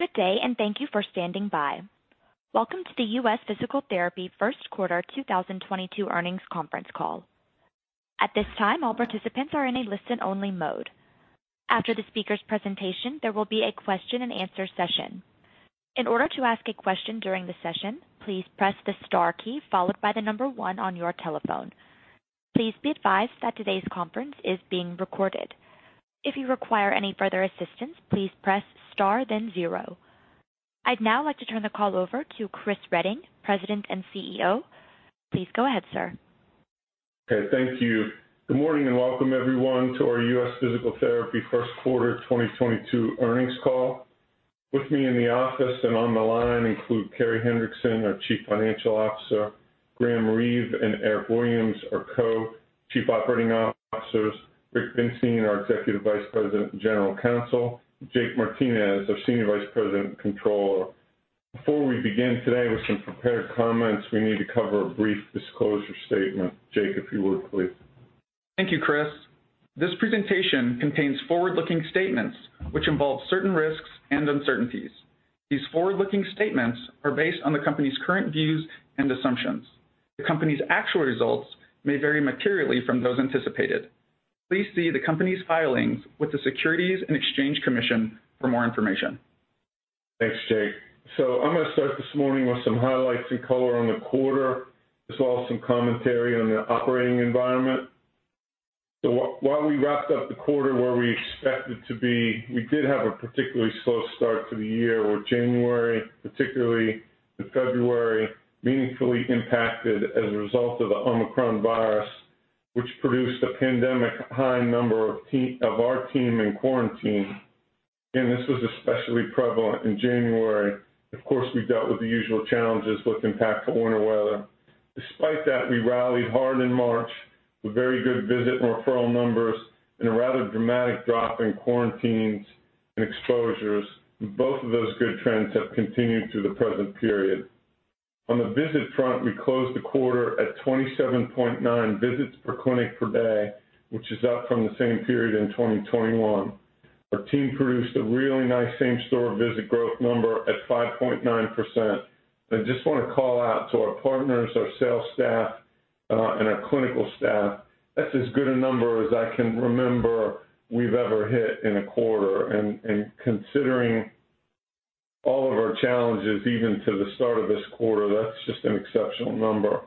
Good day, and thank you for standing by. Welcome to the U.S. Physical Therapy First Quarter 2022 earnings conference call. At this time, all participants are in a listen only mode. After the speaker's presentation, there will be a question and answer session. In order to ask a question during the session, please press the Star key followed by the number One on your telephone. Please be advised that today's conference is being recorded. If you require any further assistance, please press star then zero. I'd now like to turn the call over to Chris Reading, President and CEO. Please go ahead, sir. Okay. Thank you. Good morning and welcome everyone to our U.S. Physical Therapy first quarter 2022 earnings call. With me in the office and on the line include Carey Hendrickson, our Chief Financial Officer, Graham Reeve and Eric Williams, our Co-Chief Operating Officers, Rick Binstein, our Executive Vice President and General Counsel, Jake Martinez, our Senior Vice President and Controller. Before we begin today with some prepared comments, we need to cover a brief disclosure statement. Jake, if you would please. Thank you, Chris. This presentation contains forward-looking statements which involve certain risks and uncertainties. These forward-looking statements are based on the company's current views and assumptions. The company's actual results may vary materially from those anticipated. Please see the company's filings with the Securities and Exchange Commission for more information. Thanks, Jake. I'm gonna start this morning with some highlights and color on the quarter, as well as some commentary on the operating environment. While we wrapped up the quarter where we expected to be, we did have a particularly slow start to the year with January, particularly to February, meaningfully impacted as a result of the Omicron virus, which produced a pandemic high number of our team in quarantine. Again, this was especially prevalent in January. Of course, we dealt with the usual challenges with impactful winter weather. Despite that, we rallied hard in March with very good visit and referral numbers and a rather dramatic drop in quarantines and exposures. Both of those good trends have continued through the present period. On the visit front, we closed the quarter at 27.9 visits per clinic per day, which is up from the same period in 2021. Our team produced a really nice same store visit growth number at 5.9%. I just wanna call out to our partners, our sales staff, and our clinical staff. That's as good a number as I can remember we've ever hit in a quarter. Considering all of our challenges even to the start of this quarter, that's just an exceptional number.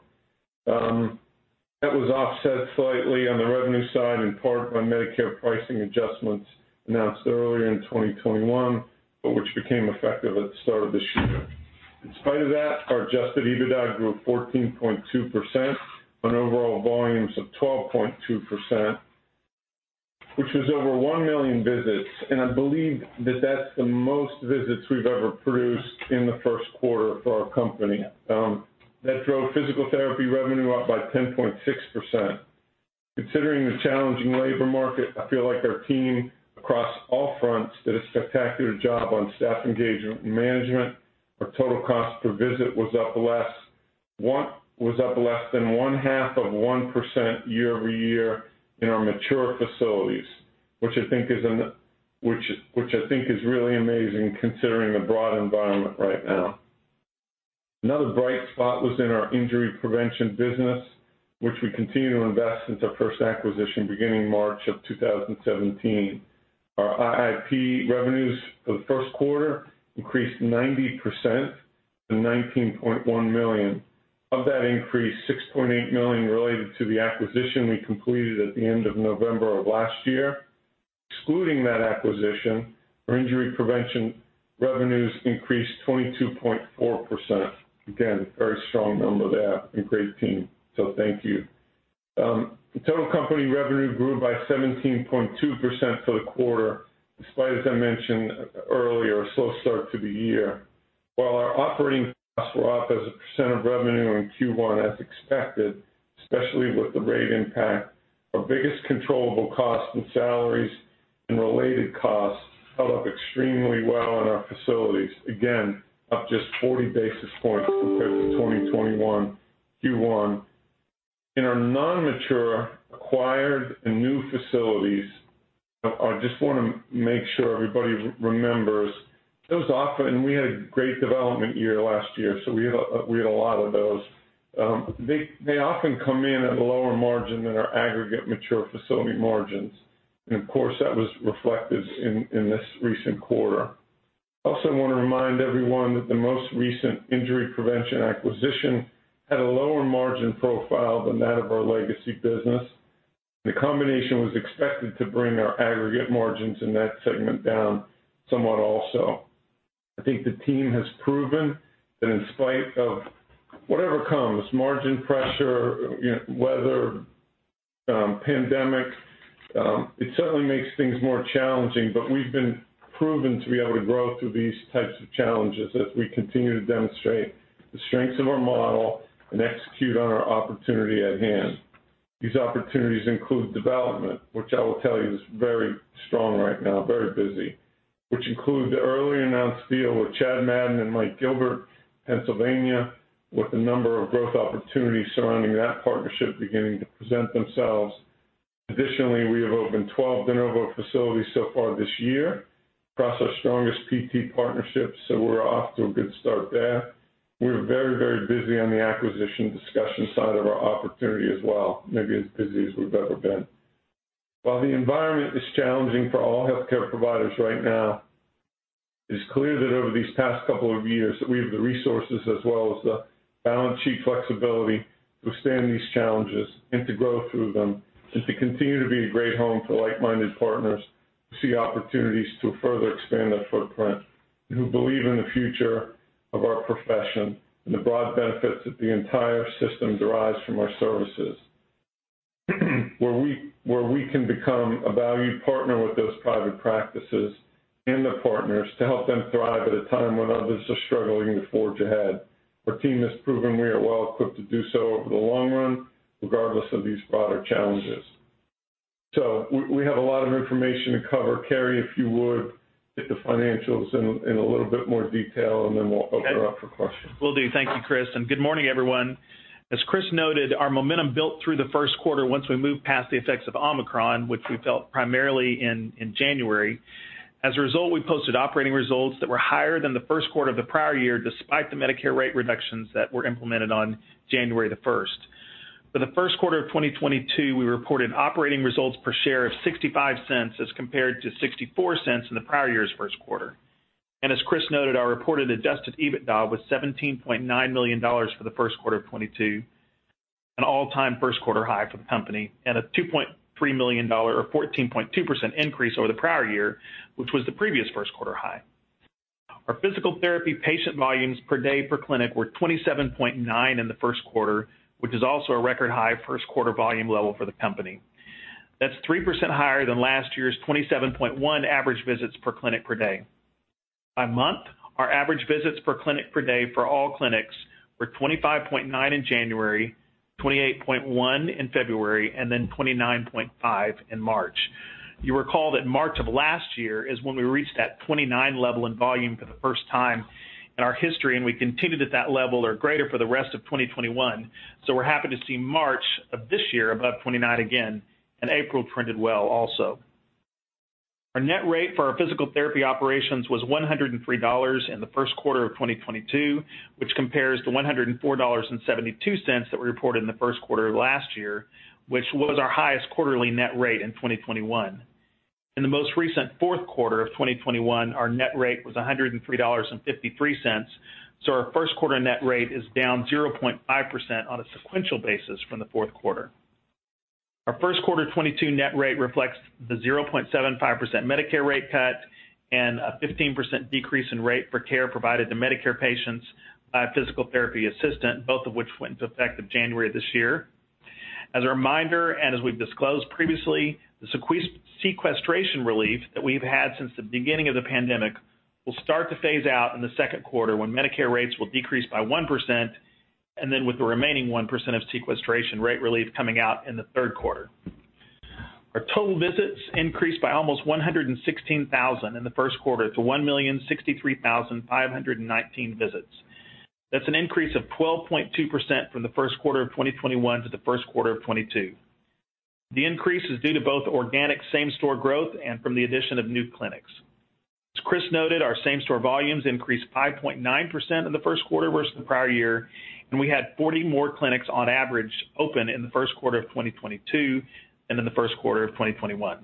That was offset slightly on the revenue side in part by Medicare pricing adjustments announced earlier in 2021, but which became effective at the start of this year. In spite of that, our Adjusted EBITDA grew 14.2% on overall volumes of 12.2%, which was over one million visits. I believe that that's the most visits we've ever produced in the first quarter for our company. That drove Physical Therapy revenue up by 10.6%. Considering the challenging labor market, I feel like our team across all fronts did a spectacular job on staff engagement and management. Our total cost per visit was up less than 0.5% year-over-year in our mature facilities, which I think is really amazing considering the broad environment right now. Another bright spot was in our injury prevention business, which we continue to invest in since our first acquisition beginning March 2017. Our IIP revenues for the first quarter increased 90% to $19.1 million. Of that increase, $6.8 million related to the acquisition we completed at the end of November of last year. Excluding that acquisition, our injury prevention revenues increased 22.4%. Again, very strong number there and great team, so thank you. The total company revenue grew by 17.2% for the quarter, despite, as I mentioned earlier, a slow start to the year. While our operating costs were up as a percent of revenue in Q1 as expected, especially with the rate impact, our biggest controllable cost and salaries and related costs held up extremely well in our facilities, again, up just 40 basis points compared to 2021 Q1. In our non-mature, acquired and new facilities, I just wanna make sure everybody remembers those often. We had a great development year last year, so we had a lot of those. They often come in at a lower margin than our aggregate mature facility margins. Of course, that was reflected in this recent quarter. I also wanna remind everyone that the most recent injury prevention acquisition had a lower margin profile than that of our legacy business. The combination was expected to bring our aggregate margins in that segment down somewhat also. I think the team has proven that in spite of whatever comes, margin pressure, you know, weather, pandemic, it certainly makes things more challenging. We've been proven to be able to grow through these types of challenges as we continue to demonstrate the strengths of our model and execute on our opportunity at hand. These opportunities include development, which I will tell you is very strong right now, very busy, which include the earlier announced deal with Chad Madden and Mike Gilbert, Pennsylvania, with a number of growth opportunities surrounding that partnership beginning to present themselves. Additionally, we have opened 12 de novo facilities so far this year, plus our strongest PT partnerships, so we're off to a good start there. We're very, very busy on the acquisition discussion side of our opportunity as well, maybe as busy as we've ever been. While the environment is challenging for all healthcare providers right now, it's clear that over these past couple of years that we have the resources as well as the balance sheet flexibility to withstand these challenges and to grow through them and to continue to be a great home for like-minded partners who see opportunities to further expand their footprint and who believe in the future of our profession and the broad benefits that the entire system derives from our services. Where we can become a valued partner with those private practices and their partners to help them thrive at a time when others are struggling to forge ahead. Our team has proven we are well equipped to do so over the long run, regardless of these broader challenges. We have a lot of information to cover. Carey, if you would, hit the financials in a little bit more detail, and then we'll open it up for questions. Will do. Thank you, Chris, and good morning, everyone. As Chris noted, our momentum built through the first quarter once we moved past the effects of Omicron, which we felt primarily in January. As a result, we posted operating results that were higher than the first quarter of the prior year, despite the Medicare rate reductions that were implemented on January 1st. For the first quarter of 2022, we reported operating results per share of $0.65 as compared to $0.64 in the prior year's first quarter. As Chris noted, our reported Adjusted EBITDA was $17.9 million for the first quarter of 2022, an all-time first quarter high for the company, and a $2.3 million or 14.2% increase over the prior year, which was the previous first quarter high. Our physical therapy patient volumes per day per clinic were 27.9 in the first quarter, which is also a record high first quarter volume level for the company. That's 3% higher than last year's 27.1 average visits per clinic per day. By month, our average visits per clinic per day for all clinics were 25.9 in January, 28.1 in February, and then 29.5 in March. You'll recall that March of last year is when we reached that 29 level in volume for the first time in our history, and we continued at that level or greater for the rest of 2021. We're happy to see March of this year above 29 again, and April printed well also. Our net rate for our physical therapy operations was $103 in the first quarter of 2022, which compares to $104.72 that we reported in the first quarter of last year, which was our highest quarterly net rate in 2021. In the most recent fourth quarter of 2021, our net rate was $103.53. Our first quarter net rate is down 0.5% on a sequential basis from the fourth quarter. Our first quarter 2022 net rate reflects the 0.75% Medicare rate cut and a 15% decrease in rate for care provided to Medicare patients by a physical therapy assistant, both of which went into effect of January this year. As a reminder, and as we've disclosed previously, the sequestration relief that we've had since the beginning of the pandemic will start to phase out in the second quarter when Medicare rates will decrease by 1%, and then with the remaining 1% of sequestration rate relief coming out in the third quarter. Our total visits increased by almost 116,000 in the first quarter to 1,063,519 visits. That's an increase of 12.2% from the first quarter of 2021 to the first quarter of 2022. The increase is due to both organic same-store growth and from the addition of new clinics. As Chris noted, our same-store volumes increased 5.9% in the first quarter versus the prior year, and we had 40 more clinics on average open in the first quarter of 2022 than in the first quarter of 2021.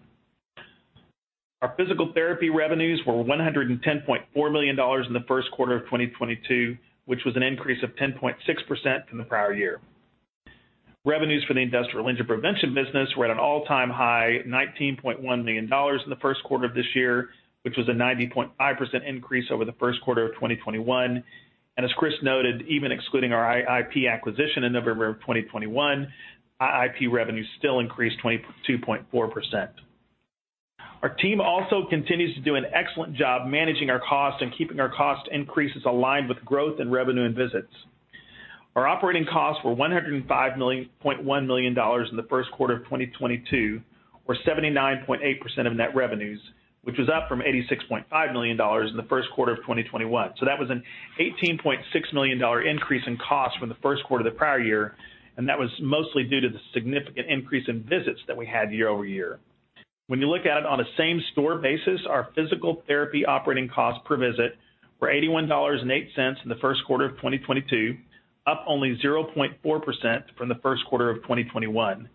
Our physical therapy revenues were $110.4 million in the first quarter of 2022, which was an increase of 10.6% from the prior year. Revenues for the industrial injury prevention business were at an all-time high $19.1 million in the first quarter of this year, which was a 90.5% increase over the first quarter of 2021. As Chris noted, even excluding our IIP acquisition in November of 2021, IIP revenues still increased 22.4%. Our team also continues to do an excellent job managing our costs and keeping our cost increases aligned with growth in revenue and visits. Our operating costs were $105.1 million in the first quarter of 2022, or 79.8% of net revenues, which was up from $86.5 million in the first quarter of 2021. That was an $18.6 million increase in cost from the first quarter the prior year, and that was mostly due to the significant increase in visits that we had year-over-year. When you look at it on a same store basis, our physical therapy operating costs per visit were $81.08 in the first quarter of 2022, up only 0.4% from the first quarter of 2021.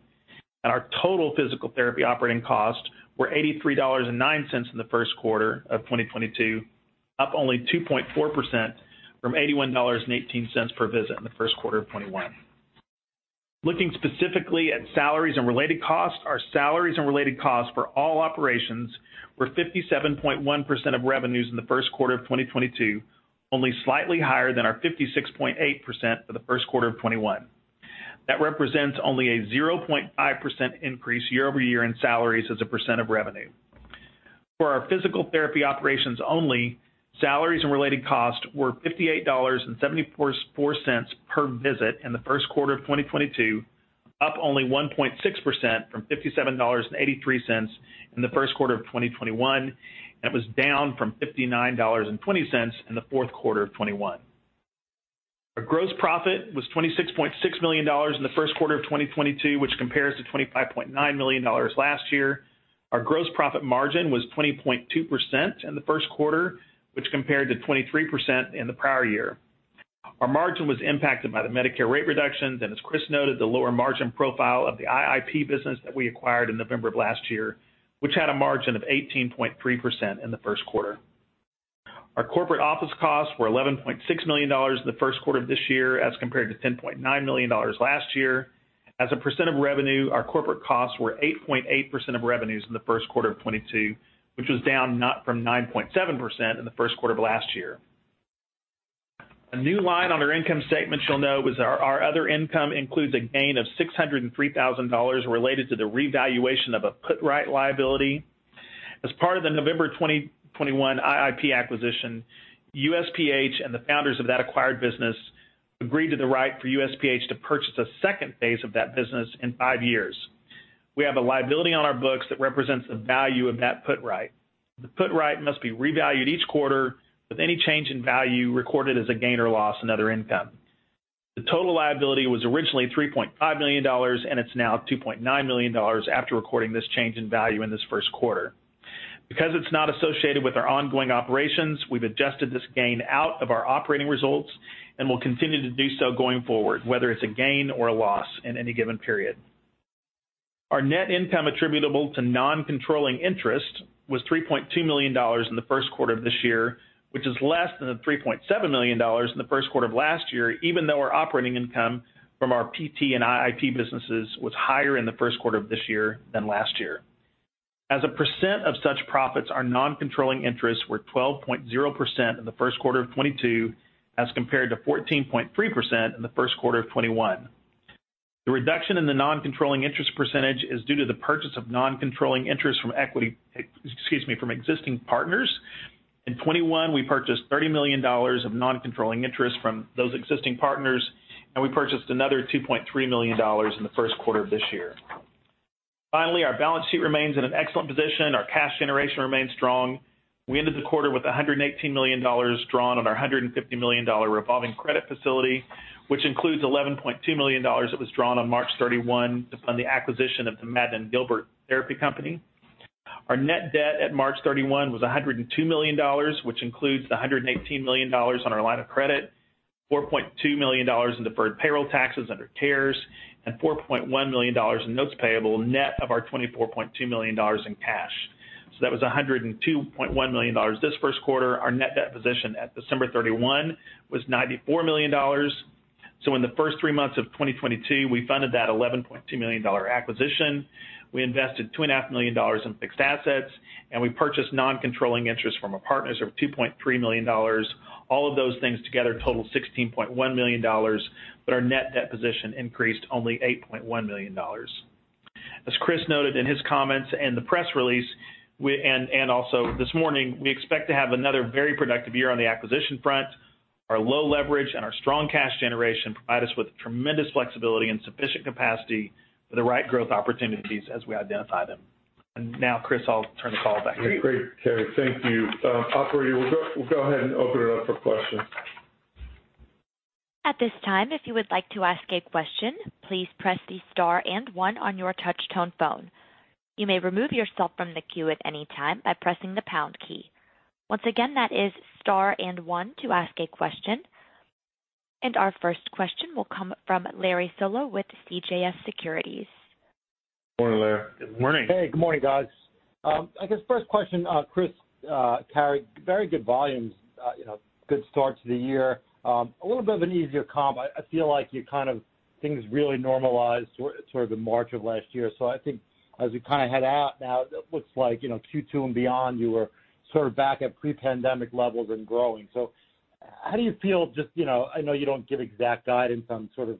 Our total physical therapy operating costs were $83.09 in the first quarter of 2022, up only 2.4% from $81.18 per visit in the first quarter of 2021. Looking specifically at salaries and related costs, our salaries and related costs for all operations were 57.1% of revenues in the first quarter of 2022, only slightly higher than our 56.8% for the first quarter of 2021. That represents only a 0.5% increase year over year in salaries as a percent of revenue. For our physical therapy operations only, salaries and related costs were $58.74 per visit in the first quarter of 2022, up only 1.6% from $57.83 in the first quarter of 2021. That was down from $59.20 in the fourth quarter of 2021. Our gross profit was $26.6 million in the first quarter of 2022, which compares to $25.9 million last year. Our gross profit margin was 20.2% in the first quarter, which compared to 23% in the prior year. Our margin was impacted by the Medicare rate reductions, and as Chris noted, the lower margin profile of the IIP business that we acquired in November of last year, which had a margin of 18.3% in the first quarter. Our corporate office costs were $11.6 million in the first quarter of this year as compared to $10.9 million last year. As a percent of revenue, our corporate costs were 8.8% of revenues in the first quarter of 2022, which was down from 9.7% in the first quarter of last year. A new line on our income statement you'll know was our other income includes a gain of $603,000 related to the revaluation of a put right liability. As part of the November 2021 IIP acquisition, USPH and the founders of that acquired business agreed to the right for USPH to purchase a second phase of that business in five years. We have a liability on our books that represents the value of that put right. The put right must be revalued each quarter with any change in value recorded as a gain or loss in other income. The total liability was originally $3.5 million and it's now $2.9 million after recording this change in value in this first quarter. Because it's not associated with our ongoing operations, we've adjusted this gain out of our operating results and will continue to do so going forward, whether it's a gain or a loss in any given period. Our net income attributable to non-controlling interest was $3.2 million in the first quarter of this year, which is less than the $3.7 million in the first quarter of last year, even though our operating income from our PT and IIP businesses was higher in the first quarter of this year than last year. As a percent of such profits, our non-controlling interests were 12.0% in the first quarter of 2022, as compared to 14.3% in the first quarter of 2021. The reduction in the non-controlling interest percentage is due to the purchase of non-controlling interest from existing partners. In 2021, we purchased $30 million of non-controlling interest from those existing partners, and we purchased another $2.3 million in the first quarter of this year. Finally, our balance sheet remains in an excellent position. Our cash generation remains strong. We ended the quarter with $118 million drawn on our $150 million revolving credit facility, which includes $11.2 million that was drawn on March 31 to fund the acquisition of the Madden and Gilbert Physical Therapy. Our net debt at March 31 was $102 million, which includes the $118 million on our line of credit, $4.2 million in deferred payroll taxes under CARES, and $4.1 million in notes payable, net of our $24.2 million in cash. That was $102.1 million this first quarter. Our net debt position at December 31 was $94 million. In the first three months of 2022, we funded that $11.2 million acquisition. We invested $2.5 million in fixed assets, and we purchased non-controlling interest from our partners of $2.3 million. All of those things together totaled $16.1 million, but our net debt position increased only $8.1 million. As Chris noted in his comments and the press release, and also this morning, we expect to have another very productive year on the acquisition front. Our low leverage and our strong cash generation provide us with tremendous flexibility and sufficient capacity for the right growth opportunities as we identify them. Now, Chris, I'll turn the call back to you. Great, Carey. Thank you. Operator, we'll go ahead and open it up for questions. At this time, if you would like to ask a question, please press the Star and One on your touch tone phone. You may remove yourself from the queue at any time by pressing the Pound key. Once again, that is Star and One to ask a question. Our first question will come from Larry Solow with CJS Securities. Morning, Larry. Good morning. Hey, good morning, guys. I guess first question, Chris, Carey, very good volumes, you know, good start to the year. A little bit of an easier comp. I feel like things really normalized sort of in March of last year. I think as we kinda head out now, it looks like, you know, Q2 and beyond, you were sort of back at pre-pandemic levels and growing. How do you feel just, you know, I know you don't give exact guidance on sort of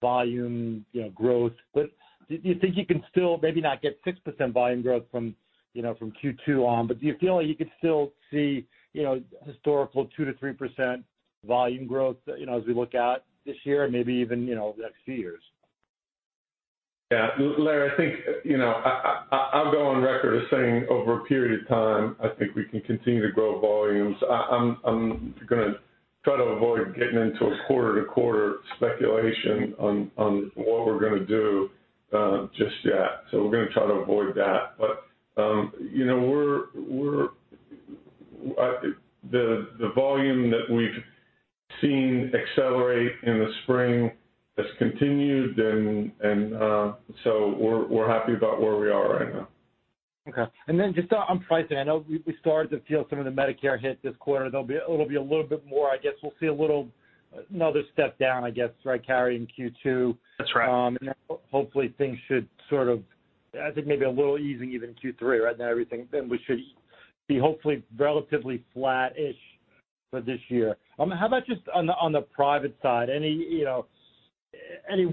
volume, you know, growth, but do you think you can still maybe not get 6% volume growth from, you know, from Q2 on, but do you feel like you could still see, you know, historical 2%-3% volume growth, you know, as we look out this year and maybe even, you know, the next few years? Yeah, Larry, I think, you know, I'll go on record as saying over a period of time, I think we can continue to grow volumes. I'm gonna try to avoid getting into a quarter-to-quarter speculation on what we're gonna do just yet. We're gonna try to avoid that. You know, the volume that we've seen accelerate in the spring has continued and we're happy about where we are right now. Okay. Just on pricing, I know we started to feel some of the Medicare hit this quarter. It'll be a little bit more. I guess we'll see a little, another step down, I guess, right, Carey, in Q2. That's right. Hopefully things should sort of, I think maybe a little easing even in Q3 right now, everything. We should be hopefully relatively flat-ish for this year. How about just on the private side, any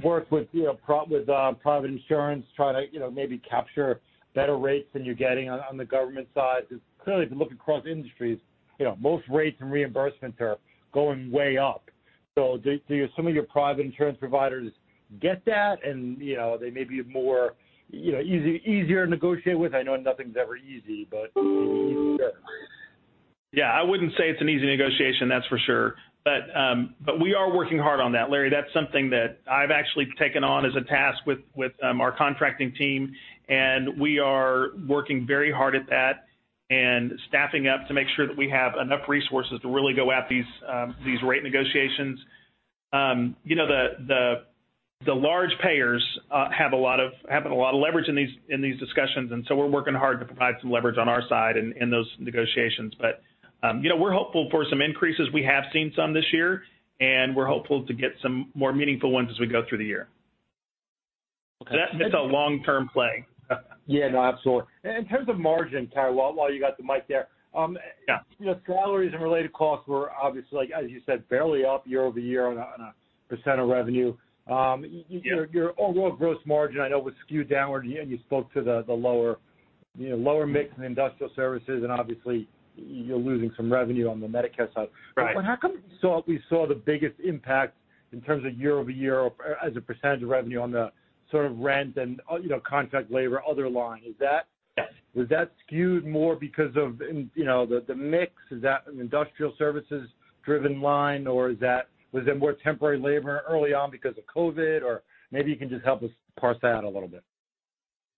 work with private insurance, try to, you know, maybe capture better rates than you're getting on the government side? Because clearly, if you look across industries, you know, most rates and reimbursements are going way up. So do some of your private insurance providers get that and, you know, they may be more, you know, easy, easier to negotiate with? I know nothing's ever easy, but maybe easier. Yeah, I wouldn't say it's an easy negotiation, that's for sure. We are working hard on that, Larry. That's something that I've actually taken on as a task with our contracting team, and we are working very hard at that and staffing up to make sure that we have enough resources to really go at these rate negotiations. You know, the large payers have a lot of leverage in these discussions, and so we're working hard to provide some leverage on our side in those negotiations. You know, we're hopeful for some increases. We have seen some this year, and we're hopeful to get some more meaningful ones as we go through the year. Okay. That's a long-term play. Yeah, no, absolutely. In terms of margin, while you got the mic there, Yeah... you know, salaries and related costs were obviously like, as you said, barely up year-over-year on a percent of revenue. Yeah Your overall gross margin I know was skewed downward. You spoke to the lower, you know, lower mix in industrial services, and obviously you're losing some revenue on the Medicare side. Right. How come we saw the biggest impact in terms of year-over-year or as a percentage of revenue on the sort of rent and, you know, contract labor, other line? Is that- Yes Was that skewed more because of, you know, the mix? Is that an industrial services driven line, or was it more temporary labor early on because of COVID? Or maybe you can just help us parse that a little bit.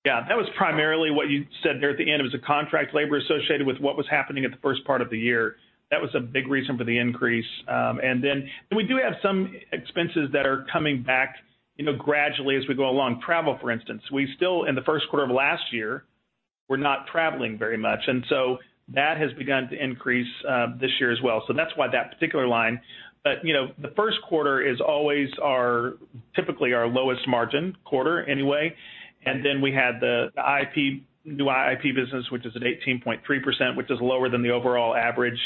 Yeah. That was primarily what you said there at the end. It was the contract labor associated with what was happening at the first part of the year. That was a big reason for the increase. And then we do have some expenses that are coming back, you know, gradually as we go along. Travel, for instance. We still, in the first quarter of last year, were not traveling very much. That has begun to increase this year as well. So that's why that particular line. You k now, the first quarter is always typically our lowest margin quarter anyway. Then we had the new IIP business, which is at 18.3%, which is lower than the overall average.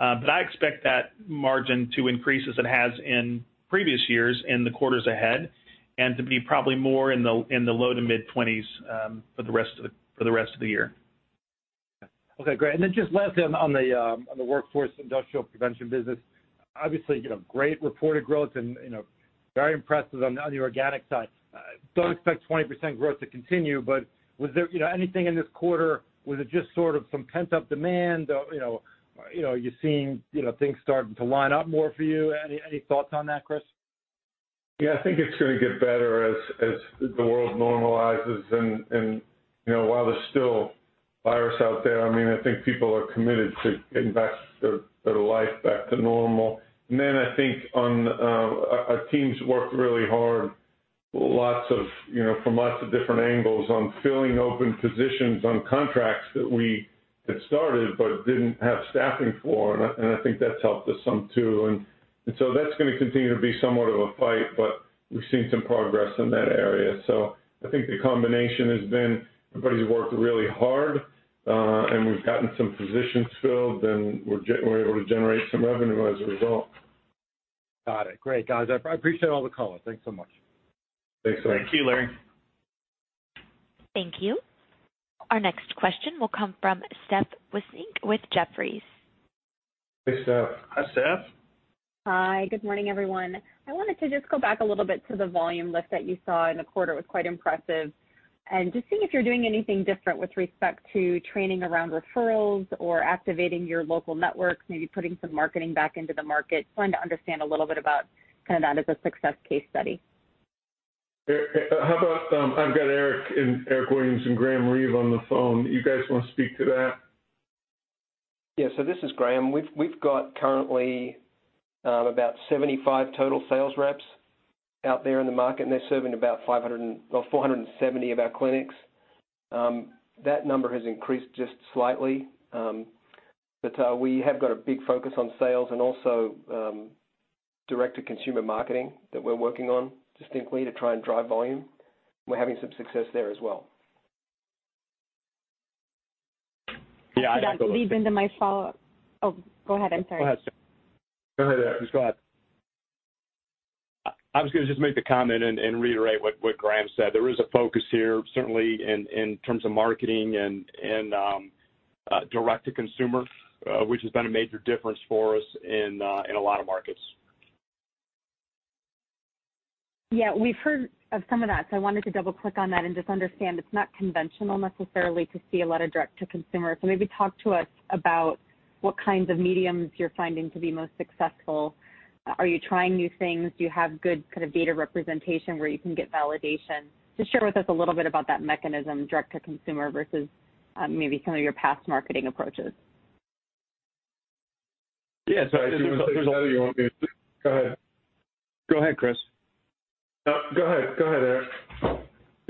I expect that margin to increase as it has in previous years in the quarters ahead and to be probably more in the low-to-mid 20s% for the rest of the year. Okay, great. Just lastly on the workforce industrial prevention business, obviously, you know, great reported growth and, you know, very impressive on the organic side. Don't expect 20% growth to continue, but was there anything in this quarter? Was it just sort of some pent-up demand? You know, are you seeing things starting to line up more for you? Any thoughts on that, Chris? Yeah. I think it's gonna get better as the world normalizes. You know, while there's still virus out there, I mean, I think people are committed to getting back their life back to normal. Then I think on our team's worked really hard, lots of you know from lots of different angles on filling open positions on contracts that we had started but didn't have staffing for, and I think that's helped us some too. That's gonna continue to be somewhat of a fight, but we've seen some progress in that area. I think the combination has been everybody's worked really hard, and we've gotten some positions filled, and we're able to generate some revenue as a result. Got it. Great, guys. I appreciate all the color. Thanks so much. Thanks, Larry. Thank you, Larry. Thank you. Our next question will come from Steph Wissink with Jefferies. Hey, Steph. Hi, Steph. Hi. Good morning, everyone. I wanted to just go back a little bit to the volume lift that you saw in the quarter. It was quite impressive. Just seeing if you're doing anything different with respect to training around referrals or activating your local networks, maybe putting some marketing back into the market. Trying to understand a little bit about kind of that as a success case study. How about, I've got Eric Williams and Graham Reeve on the phone. You guys wanna speak to that? Yeah. This is Graham. We've got currently about 75 total sales reps out there in the market, and they're serving about 500 or 470 of our clinics. That number has increased just slightly. But we have got a big focus on sales and also direct-to-consumer marketing that we're working on distinctly to try and drive volume. We're having some success there as well. Yeah, I'd add to. To lead into my follow-up. Oh, go ahead. I'm sorry. Go ahead, Steph. Go ahead, Eric. Please go ahead. I was gonna just make the comment and reiterate what Graham said. There is a focus here, certainly in terms of marketing and direct-to-consumer, which has been a major difference for us in a lot of markets. Yeah. We've heard of some of that. I wanted to double-click on that and just understand it's not conventional necessarily to see a lot of direct to consumer. Maybe talk to us about what kinds of media you're finding to be most successful. Are you trying new things? Do you have good kind of data representation where you can get validation? Just share with us a little bit about that mechanism, direct to consumer versus, maybe some of your past marketing approaches. Yeah. Sorry. Do you wanna say something, Eric, or you want me to go ahead. Go ahead, Chris. No, go ahead. Go ahead, Eric.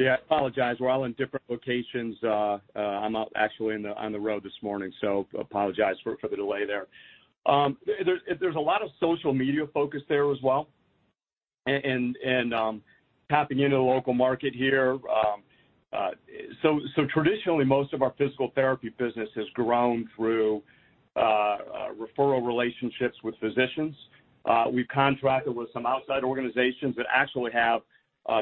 Yeah, apologize. We're all in different locations. I'm out actually on the road this morning, so apologize for the delay there. There's a lot of social media focus there as well and tapping into the local market here. So traditionally, most of our physical therapy business has grown through referral relationships with physicians. We've contracted with some outside organizations that actually have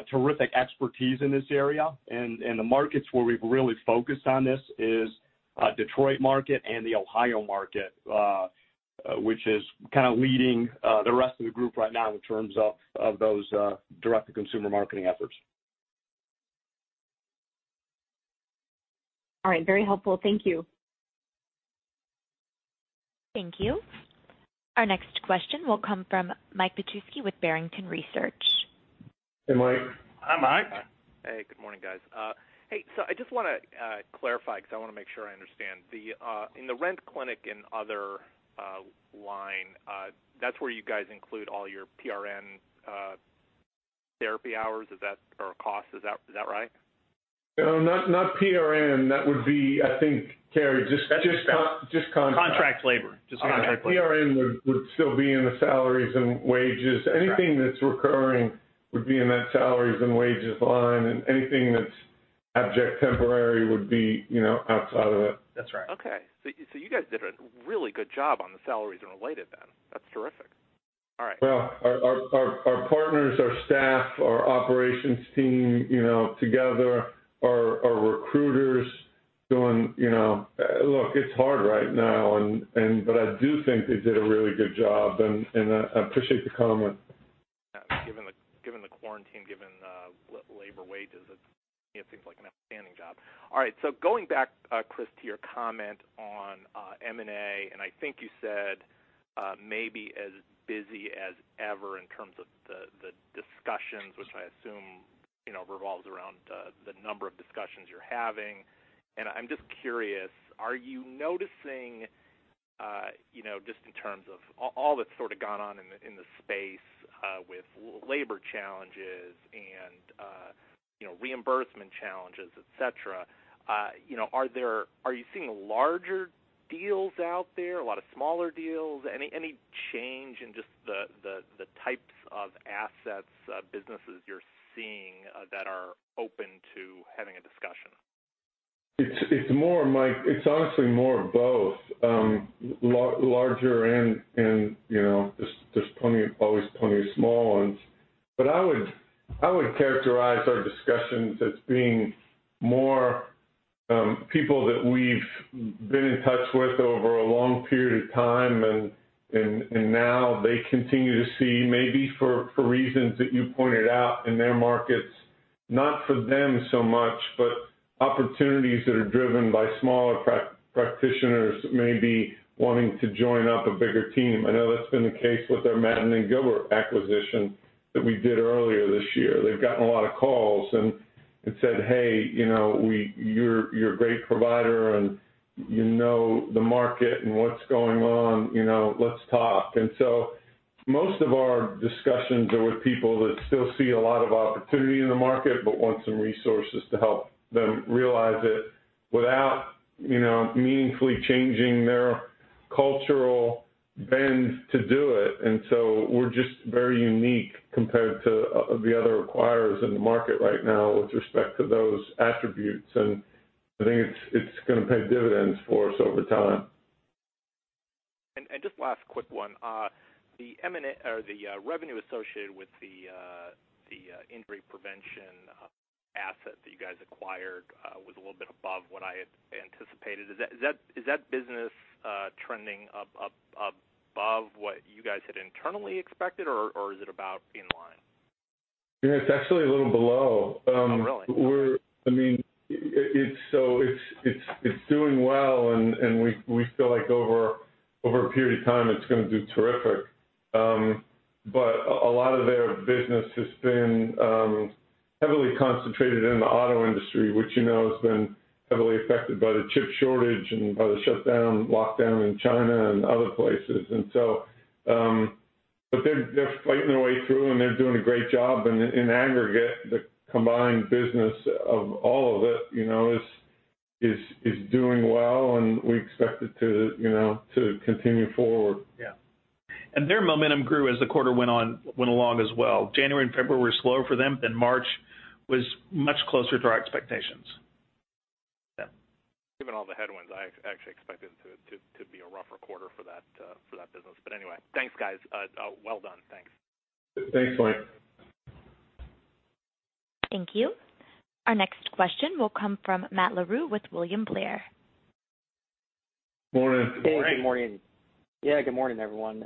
terrific expertise in this area. The markets where we've really focused on this is Detroit market and the Ohio market, which is kind of leading the rest of the group right now in terms of those direct-to-consumer marketing efforts. All right. Very helpful. Thank you. Thank you. Our next question will come from Michael Petusky with Barrington Research. Hey, Mike. Hi, Mike. Hey, good morning, guys. Hey, I just wanna clarify because I wanna make sure I understand. In the rent, clinic and other line, that's where you guys include all your PRN therapy hours. Is that a cost, is that right? No, not PRN. That would be, I think, Carey, just contract. Contract labor. Just contract labor. PRN would still be in the salaries and wages. Got it. Anything that's recurring would be in that salaries and wages line, and anything that's absolutely temporary would be, you know, outside of that. That's right. Okay. You guys did a really good job on the salaries and related then. That's terrific. All right. Well, our partners, our staff, our operations team, you know, together our recruiters doing, you know. Look, it's hard right now but I do think they did a really good job, and I appreciate the comment. Yeah. Given the quarantine, given the labor wages, it, you know, seems like an outstanding job. All right, so going back, Chris, to your comment on M&A, and I think you said maybe as busy as ever in terms of the discussions, which I assume, you know, revolves around the number of discussions you're having. I'm just curious, are you noticing, you know, just in terms of all that's sort of gone on in the space with labor challenges and, you know, reimbursement challenges, et cetera, you know, are there? Are you seeing larger deals out there? A lot of smaller deals? Any change in just the types of assets, businesses you're seeing that are open to having a discussion? It's more, Mike, it's honestly more of both. Larger and, you know, just there's plenty of, always plenty of small ones. I would characterize our discussions as being more people that we've been in touch with over a long period of time, and now they continue to see maybe for reasons that you pointed out in their markets, not for them so much, but opportunities that are driven by smaller practitioners maybe wanting to join up a bigger team. I know that's been the case with our Madden and Gilbert acquisition that we did earlier this year. They've gotten a lot of calls and said, "Hey, you know, you're a great provider, and you know the market and what's going on. You know, let's talk. Most of our discussions are with people that still see a lot of opportunity in the market but want some resources to help them realize it without, you know, meaningfully changing their cultural bent to do it. We're just very unique compared to the other acquirers in the market right now with respect to those attributes. I think it's gonna pay dividends for us over time. Just last quick one. The M&A or the revenue associated with the injury prevention asset that you guys acquired was a little bit above what I had anticipated. Is that business trending up above what you guys had internally expected, or is it about in line? Yeah, it's actually a little below. Oh, really? Okay. It's doing well, and we feel like over a period of time it's gonna do terrific. A lot of their business has been heavily concentrated in the auto industry, which you know has been heavily affected by the chip shortage and by the shutdown lockdown in China and other places. They're fighting their way through, and they're doing a great job. In aggregate, the combined business of all of it, you know, is doing well, and we expect it to, you know, to continue forward. Yeah. Their momentum grew as the quarter went along as well. January and February were slow for them. March was much closer to our expectations. Yeah. Given all the headwinds, I actually expected it to be a rougher quarter for that business. Anyway, thanks, guys. Well done. Thanks. Thanks, Mike. Thank you. Our next question will come from Matt Larew with William Blair. Morning. Good morning. Yeah, good morning, everyone.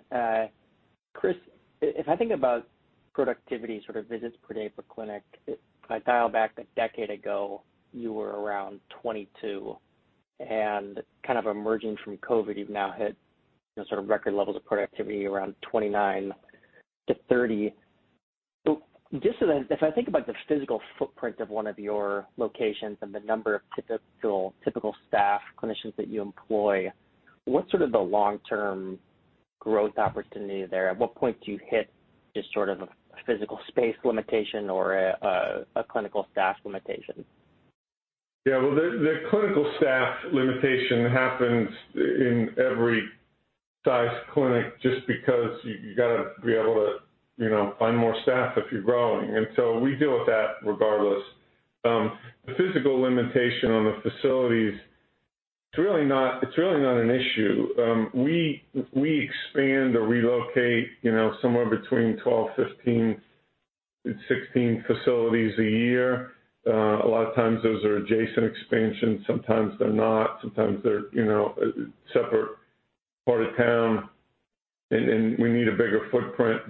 Chris, if I think about productivity, sort of visits per day per clinic, if I dial back a decade ago, you were around 22, and kind of emerging from COVID, you've now hit, you know, sort of record levels of productivity around 29-30. Just to then. If I think about the physical footprint of one of your locations and the number of typical staff, clinicians that you employ, what's sort of the long-term growth opportunity there? At what point do you hit just sort of a physical space limitation or a clinical staff limitation? Yeah. Well, the clinical staff limitation happens in every sized clinic just because you gotta be able to, you know, find more staff if you're growing. We deal with that regardless. The physical limitation on the facilities, it's really not an issue. We expand or relocate, you know, somewhere between 12, 15, and 16 facilities a year. A lot of times those are adjacent expansions, sometimes they're not. Sometimes they're, you know, a separate part of town. We need a bigger footprint.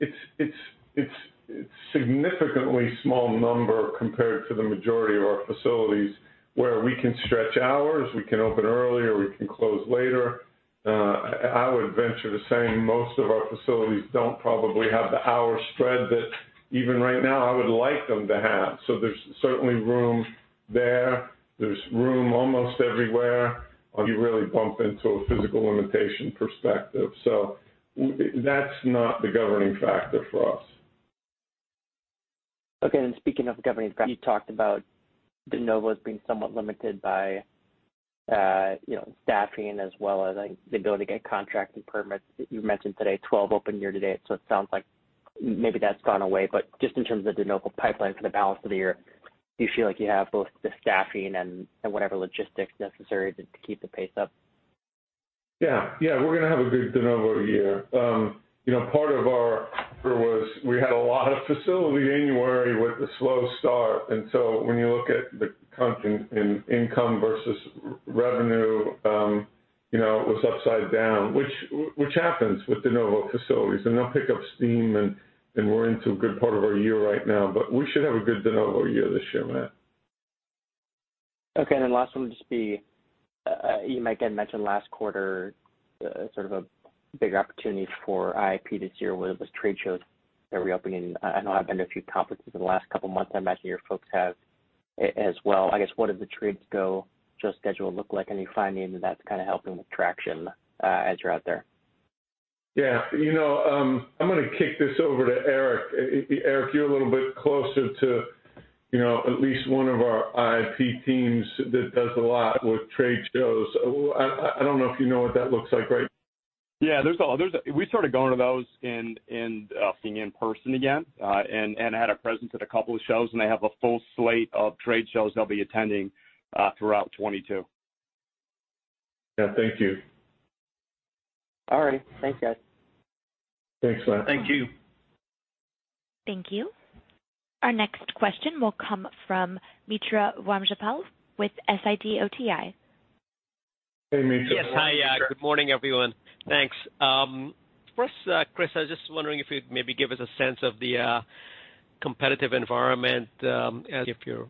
It's a significantly small number compared to the majority of our facilities where we can stretch hours, we can open earlier, we can close later. I would venture to say most of our facilities don't probably have the hour spread that even right now I would like them to have. There's certainly room there. There's room almost everywhere, or you really bump into a physical limitation perspective. That's not the governing factor for us. Okay. Speaking of governing factor, you talked about de novo being somewhat limited by, you know, staffing as well as, like, the ability to get contracted permits. You mentioned today 12 open year to date, so it sounds like maybe that's gone away. Just in terms of de novo pipeline for the balance of the year, do you feel like you have both the staffing and whatever logistics necessary to keep the pace up? Yeah. Yeah, we're gonna have a good de novo year. You know, part of it was we had a lot of facilities in January with the slow start, and so when you look at the cost in income versus revenue, you know, it was upside down, which happens with de novo facilities. They'll pick up steam and we're into a good part of our year right now, but we should have a good de novo year this year, Matt. Okay. Last one will just be, you might have mentioned last quarter sort of a bigger opportunity for IIP this year was trade shows that are reopening. I know I've been to a few conferences in the last couple months. I imagine your folks have as well. I guess, what does the trade show schedule look like? Anything that's kinda helping with traction, as you're out there? Yeah. You know, I'm gonna kick this over to Eric. Eric, you're a little bit closer to, you know, at least one of our IIP teams that does a lot with trade shows. I don't know if you know what that looks like, right? Yeah, we started going to those in person again, and had a presence at a couple of shows, and they have a full slate of trade shows they'll be attending throughout 2022. Yeah. Thank you. All right. Thanks, guys. Thanks, Matt. Thank you. Thank you. Our next question will come from Mitra Ramgopal with Sidoti & Company. Hey, Mitra. Yes. Hi. Good morning, everyone. Thanks. First, Chris, I was just wondering if you'd maybe give us a sense of the competitive environment, as if you're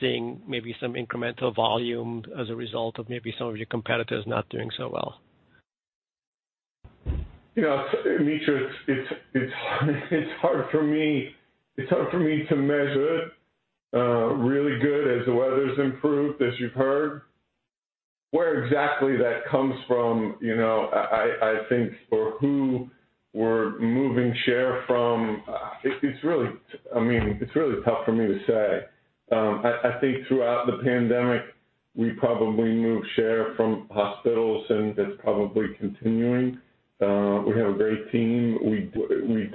seeing maybe some incremental volume as a result of maybe some of your competitors not doing so well? You know, Mitra, it's hard for me to measure it really good as the weather's improved, as you've heard. Where exactly that comes from, you know, I think for who we're moving share from, it's really, I mean, it's really tough for me to say. I think throughout the pandemic, we probably moved share from hospitals, and that's probably continuing. We have a great team.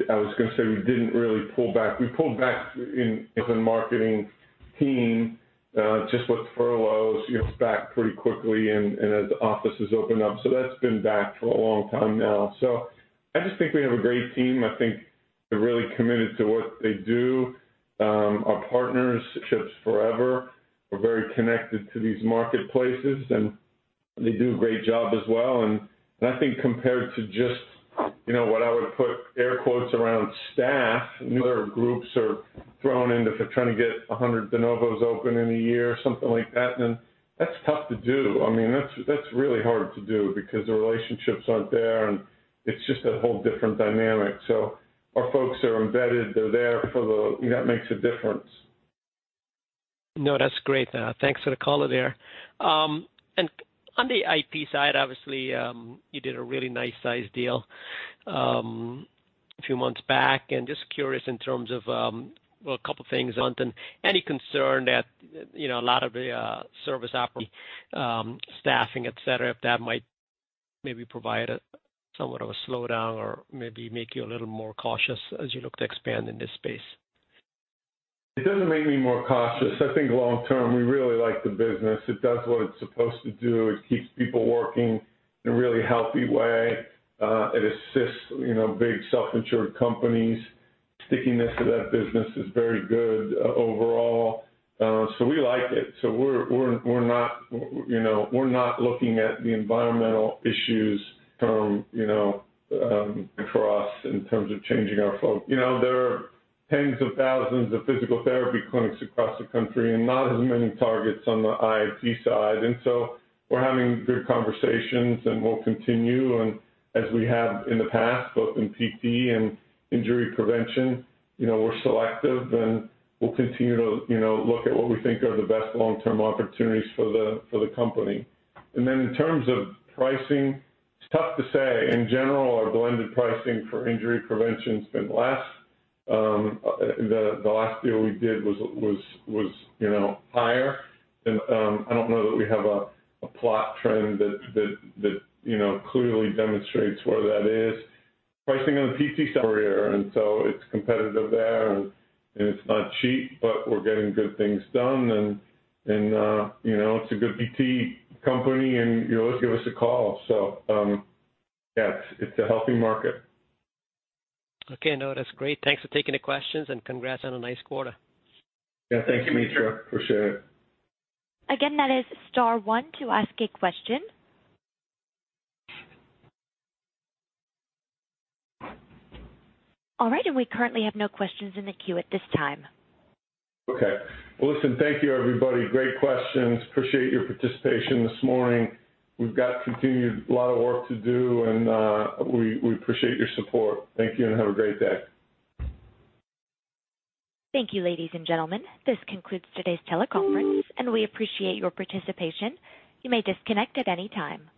I was gonna say we didn't really pull back. We pulled back in marketing team just with furloughs, you know, back pretty quickly and as offices opened up. That's been back for a long time now. I just think we have a great team. I think they're really committed to what they do. Our partnerships forever. We're very connected to these marketplaces, and they do a great job as well. I think compared to just, you know, what I would put air quotes around staffing, newer groups are thrown into for trying to get 100 de novos open in a year or something like that, then that's tough to do. I mean, that's really hard to do because the relationships aren't there, and it's just a whole different dynamic. Our folks are embedded. They're there for the. You know, it makes a difference. No, that's great. Thanks for the color there. On the IP side, obviously, you did a really nice size deal a few months back. Just curious in terms of, well, a couple things on any concern that, you know, a lot of the staffing, etc., if that might maybe provide somewhat of a slowdown or maybe make you a little more cautious as you look to expand in this space. It doesn't make me more cautious. I think long term, we really like the business. It does what it's supposed to do. It keeps people working in a really healthy way. It assists, you know, big self-insured companies. Stickiness to that business is very good, overall. We like it. We're not, you know, looking at the environmental issues from, you know, for us in terms of changing our flow. You know, there are tens of thousands of physical therapy clinics across the country and not as many targets on the IIP side. We're having good conversations, and we'll continue. As we have in the past, both in PT and injury prevention, you know, we're selective, and we'll continue to, you know, look at what we think are the best long-term opportunities for the company. In terms of pricing, it's tough to say. In general, our blended pricing for injury prevention's been less. The last deal we did was, you know, higher. I don't know that we have a long-term trend that, you know, clearly demonstrates where that is. Pricing on the PT side is competitive there, and it's not cheap, but we're getting good things done and, you know, it's a good PT company and you always give us a call. Yeah, it's a healthy market. Okay. No, that's great. Thanks for taking the questions, and congrats on a nice quarter. Yeah. Thanks, Mitra. Appreciate it. Again, that is star one to ask a question. All right, we currently have no questions in the queue at this time. Okay. Well, listen. Thank you, everybody. Great questions. Appreciate your participation this morning. We've got a lot of work to do, and we appreciate your support. Thank you, and have a great day. Thank you, ladies and gentlemen. This concludes today's teleconference, and we appreciate your participation. You may disconnect at any time.